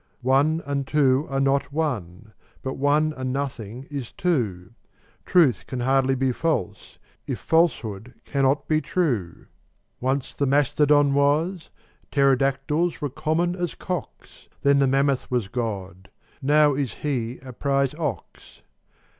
One and two are not one: but one and nothing is two: Truth can hardly be false, if falsehood cannot be true. Once the mastodon was: pterodactyls were common as cocks: Then the mammoth was God: now is He a prize ox.